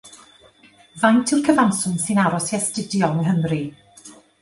Faint yw'r cyfanswm sy'n aros i astudio yng Nghymru?